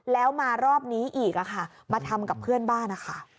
แล้วมารอบนี้อีกมาทำกับเพื่อนบ้าน